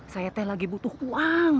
saya teh lagi butuh uang